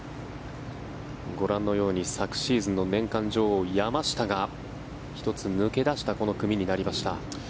ご覧のように昨シーズンの年間女王、山下が１つ抜け出したこの組になりました。